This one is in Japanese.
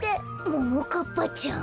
ももかっぱちゃん。